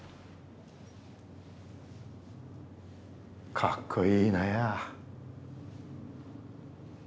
かっこいいなや。